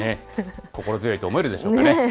心強いと思えるでしょうかね。